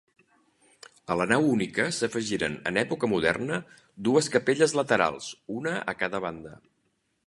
A la nau única s'afegiren en època moderna dues capelles laterals, una a cada banda.